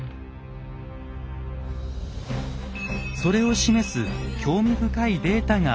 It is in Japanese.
それを示す興味深いデータがあります。